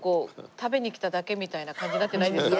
食べに来ただけみたいな感じになってないですか？